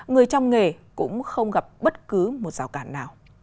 người trong nghề cũng không gặp bất cứ một rào cản nào